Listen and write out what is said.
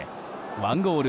１ゴール